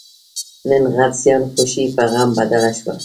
نن غټ زیان؛ خوښي په غم بدله شوه.